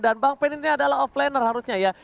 dan bang pen ini adalah offlaner harusnya ya